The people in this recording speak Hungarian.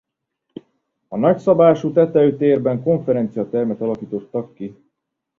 A nagyszabású tetőtérben konferenciatermet alakítottak ki.